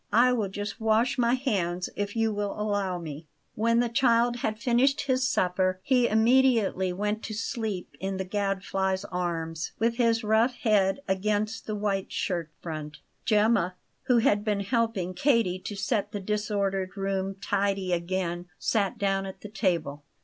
I will just wash my hands, if you will allow me." When the child had finished his supper, he immediately went to sleep in the Gadfly's arms, with his rough head against the white shirt front. Gemma, who had been helping Katie to set the disordered room tidy again, sat down at the table.